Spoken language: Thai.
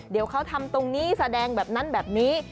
เดี๋ยวเขาทำตรงนี้แสดงแบบนั้นแบบนี้